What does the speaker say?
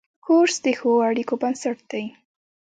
کورس د ښو اړیکو بنسټ دی.